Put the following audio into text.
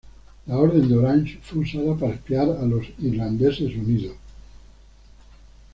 La Orden de Orange fue usada para espiar a los Irlandeses Unidos.